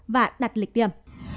và đặt lịch tiêm